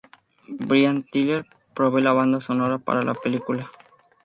Brian Tyler provee la banda sonora para la película.